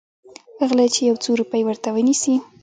غله چې يو څو روپۍ ورته ونيسي.